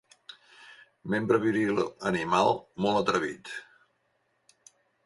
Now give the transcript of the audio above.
Membre viril animal molt atrevit.